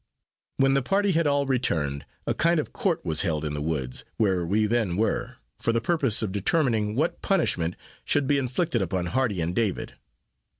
When the party had all returned, a kind of court was held in the woods, where we then were, for the purpose of determining what punishment should be inflicted upon Hardy and David.